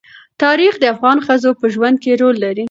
تاریخ د افغان ښځو په ژوند کې رول لري.